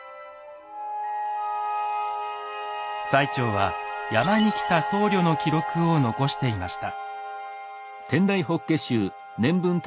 最澄は山に来た僧侶の記録を残していました。